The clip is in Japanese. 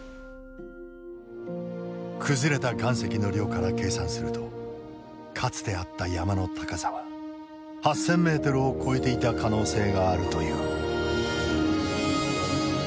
崩れた岩石の量から計算するとかつてあった山の高さは８，０００ｍを超えていた可能性があるという。